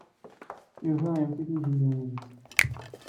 Yuba iwet-it ujenniw-nnes.